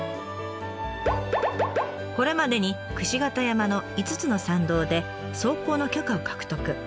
これまでに櫛形山の５つの山道で走行の許可を獲得。